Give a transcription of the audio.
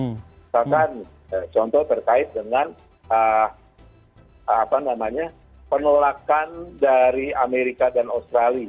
misalkan contoh terkait dengan penolakan dari amerika dan australia